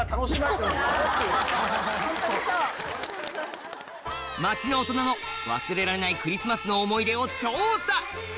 ・ホントにそう・街のオトナの忘れられないクリスマスの思い出を調査